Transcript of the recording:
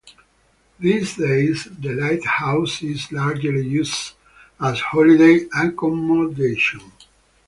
These days, the lighthouse is largely used as holiday accommodation.